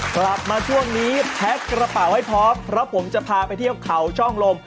กลับมาช่วงนี้แพ็คกระเป๋าให้พร้อมเพราะผมจะพาไปเที่ยวเขาช่องลม